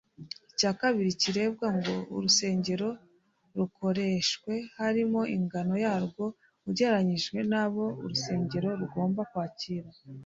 Icya kabiri kirebwa ngo urusengero rukoreshwe harimo ingano yarwo ugereranyije n’abo urusengero rugomba kwakira